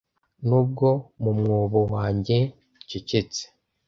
nubwo mu mwobo wanjye ncecetse